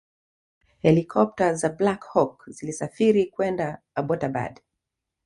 helikopta za Black Hawk zilisafiri kwenda Abbottabad